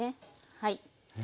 はい。